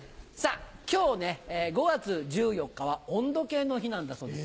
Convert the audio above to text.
今日５月１４日は温度計の日なんだそうです。